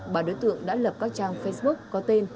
bà đối tượng đã lập các trang facebook có tên